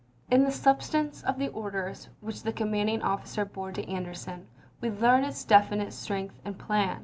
In the substance of the orders which the commanding officer bore to Anderson, we learn its definite strength and plan.